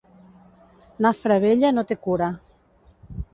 Nafra vella no té cura.